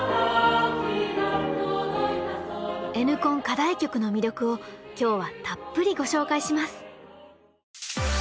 課題曲の魅力を今日はたっぷりご紹介します！